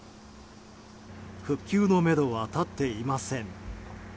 復旧のめどはたっていません。